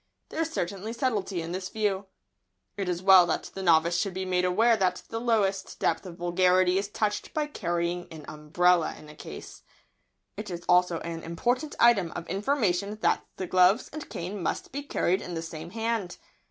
There is certainly subtlety in this view. It is well that the novice should be made aware that the lowest depth of vulgarity is touched by carrying an umbrella in a case. It is also an important item of information that the gloves and cane must be carried in the same hand.